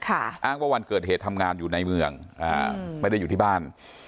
อ้างว่าวันเกิดเหตุทำงานอยู่ในเมืองไม่ได้อยู่ที่บ้าน